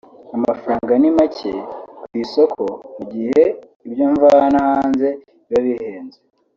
amafaranga ni make ku isoko mu gihe ibyo mvana hanze biba bihenze